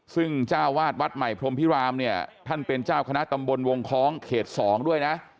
ซึ่งเจ้าวาดวัดใหม่พรมพิรามเนี่ยท่านเป็นเจ้าคณะตำบลวงคล้องเขต๒ด้วยนะ